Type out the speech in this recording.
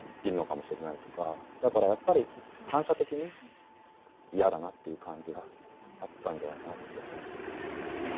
だからやっぱり反射的に嫌だなっていう感じがあったんじゃないかなって気はしますね。